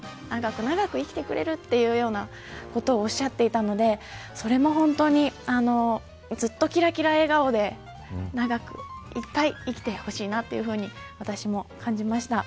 長く生きてくれるというようなことを、おっしゃっていたのでそれも本当にずっときらきら笑顔で長く、いっぱい生きてほしいなと私も感じました。